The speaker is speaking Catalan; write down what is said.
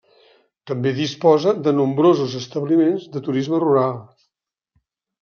També disposa de nombrosos establiments de turisme rural.